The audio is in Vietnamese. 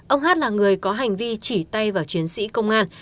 ông hát là người có hành vi chỉ tay vào chiến sĩ công an